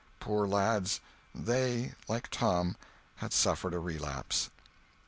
Poor lads! they—like Tom—had suffered a relapse.